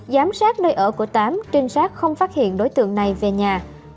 giám sát nơi ở của tám trinh sát không phát hiện đối tượng này về nhà